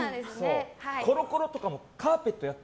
コロコロもカーペットやった